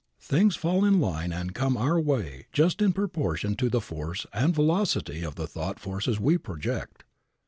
Things fall in line and come our way just in proportion to the force and velocity of the thought forces we project.